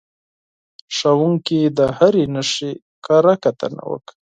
ښوونکي د هرې نښې کره کتنه وکړه.